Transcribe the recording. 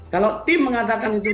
kalau tim mengatakan itu